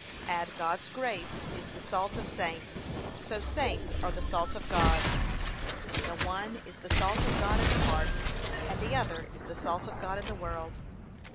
Ad God's grace is the salt of saints, so saints are the salt of God. The one is the salt of God in the heart, and the other is the salt of God in the world.